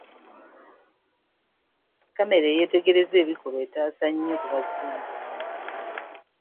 Kkamera eyeetegereza ebikolwa etaasa nnyo ku bazzi b'emisango.